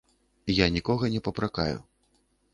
Я нікога не папракаю.